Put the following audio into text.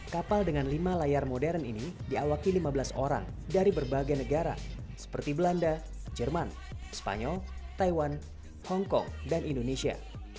kapal dengan lima layar modern ini diawaki lima belas orang dari berbagai negara seperti belanda jerman spanyol taiwan hongkong dan indonesia